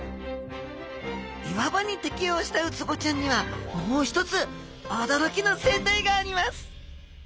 岩場に適応したウツボちゃんにはもう一つ驚きの生態があります